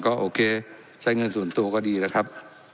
ก็โอเคใช้เงินส่วนตัวก็ดีนะครับ